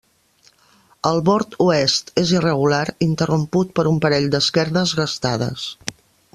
El bord oest és irregular, interromput per un parell d'esquerdes gastades.